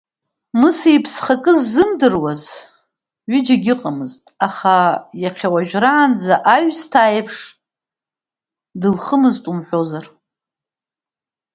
Мыса иԥсхакыз ззымдыруаз ҩыџьагьы ыҟамызт, аха иахьа уажәраанӡа аҩсҭаа иеиԥш дылхымызт умҳәозар.